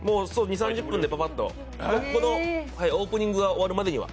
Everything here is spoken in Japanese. ２０３０分でぱぱっとオープニングが終わるまでには。